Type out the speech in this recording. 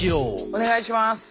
お願いします。